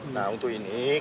nah untuk ini kami berharap